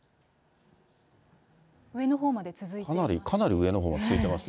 上のほうまで続いてます。